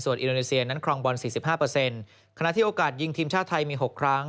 ส่วนอินโดนีเซียนั้นครองบอลสี่สิบห้าเปอร์เซ็นต์ขณะที่โอกาสยิงทีมชาติไทยมีหกครั้ง